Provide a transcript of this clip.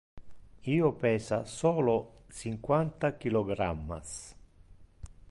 Io pesa solo cinquanta kilogrammas.